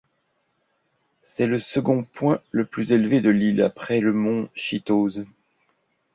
C'est le second point le plus élevé de l'île après le mont Chitose.